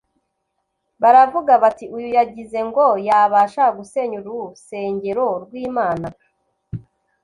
baravuga bati “Uyu yagize ngo yabasha gusenya urusengero rw’Imana